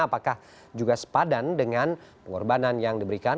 apakah juga sepadan dengan pengorbanan yang diberikan